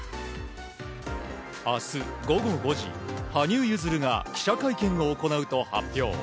明日午後５時、羽生結弦が記者会見を行うと発表。